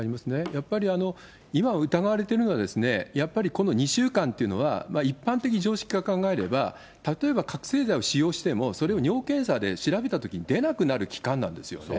やっぱり今疑われているのは、やっぱりこの２週間っていうのは、一般的常識から考えれば、例えば覚醒剤を使用してもそれを尿検査で調べたときに出なくなる期間なんですよね。